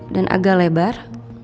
dan agak lebar